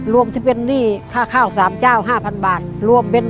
รวมที่เจลเงียบค่าข้าวที่บัน